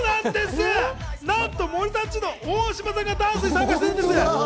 なんと森三中の大島さんがダンスしてるんです。